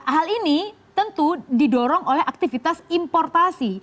hal ini tentu didorong oleh aktivitas importasi